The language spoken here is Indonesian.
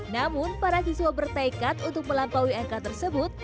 namun para siswa bertekad untuk melampaui angka tersebut